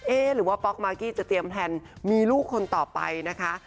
หรือว่าป๊อกมากกี้จะเตรียมแพลนมีลูกคนต่อไปนะคะ